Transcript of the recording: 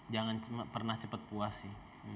jangan pernah cepat puas sih